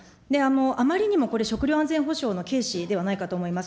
あまりにもこれ、食料安全保障の軽視ではないかと思います。